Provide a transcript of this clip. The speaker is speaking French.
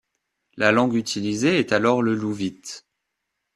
La langue utilisée est alors le louvite.